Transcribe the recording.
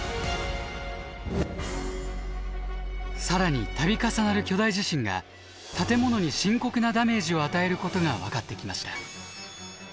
更に度重なる巨大地震が建物に深刻なダメージを与えることが分かってきました。